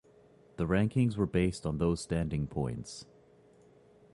The rankings were based on those standing points.